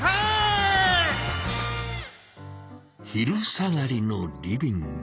昼下がりのリビング。